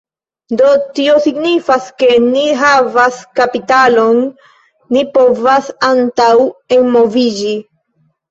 Do, tio signifas, ke ni havas kapitalon ni povas antaŭenmoviĝi